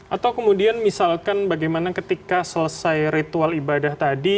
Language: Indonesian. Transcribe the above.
atau kemudian misalkan bagaimana ketika selesai ritual ibadah tadi